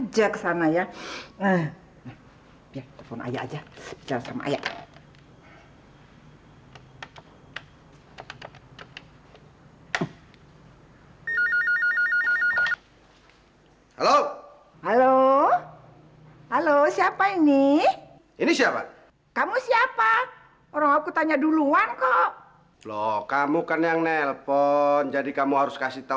jangan coba coba mendekat